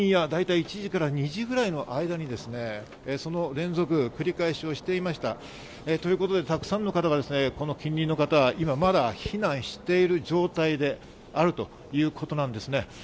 深夜大体１時から２時ぐらいの間にですね、連続、繰り返していましたということでたくさんの方が近隣の方、今まだ避難している状態であるということなんですね。